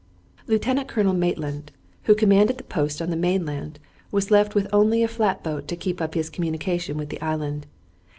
Lieutenant Colonel Maitland, who commanded the post on the mainland, was left with only a flat boat to keep up his communication with the island.